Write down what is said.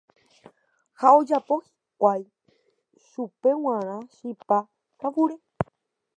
Ha ojapo hikuái chupe g̃uarã chipa kavure.